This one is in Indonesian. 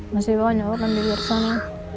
masih banyak orang di luar sana